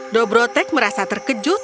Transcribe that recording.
dobrotek merasa terkejut